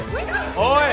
おい！！